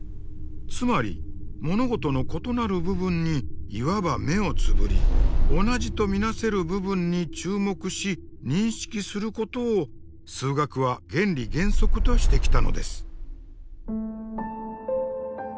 つまり物事の異なる部分にいわば目をつぶり同じと見なせる部分に注目し認識することを数学は原理原則としてきたのです。